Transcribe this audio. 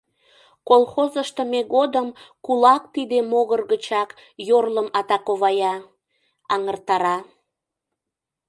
Колхоз ыштыме годым кулак тиде могыр гычак йорлым атаковая, аҥыртара.